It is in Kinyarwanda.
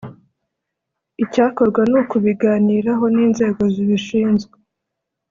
Icyakorwa ni ukubiganiraho n’inzego zibishinzwe